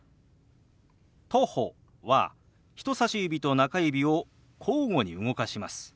「徒歩」は人さし指と中指を交互に動かします。